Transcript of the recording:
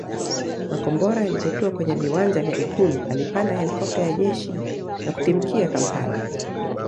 Makombora yalipotua kwenye viwanja vya Ikulu alipanda helikopta ya jeshi na kutimkia Kampala